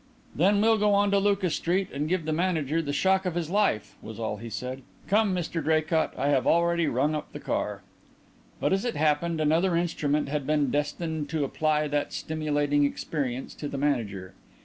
"Then we'll go on to Lucas Street and give the manager the shock of his life," was all he said. "Come, Mr Draycott, I have already rung up the car." But, as it happened, another instrument had been destined to apply that stimulating experience to the manager.